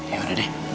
ya udah deh